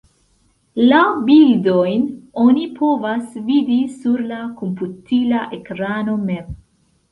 La bildojn oni povas vidi sur la komputila ekrano mem.